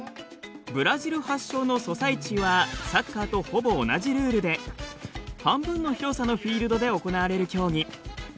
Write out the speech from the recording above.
ブラジル発祥のソサイチはサッカーとほぼ同じルールで半分の広さのフィールドで行われる競技。